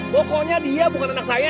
pokoknya dia bukan anak saya